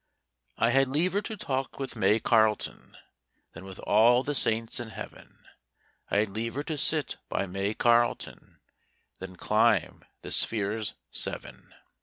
'I had liever to talk with May Carleton, Than with all the saints in Heaven; I had liever to sit by May Carleton Than climb the spheres seven.